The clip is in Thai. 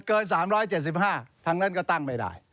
เกิน๓๗๕ทั้งนั้นก็ตั้งไม่ได้